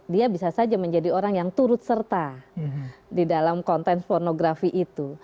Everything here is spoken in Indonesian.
dia bisa saja menjadi orang yang turut serta di dalam konten pornografi itu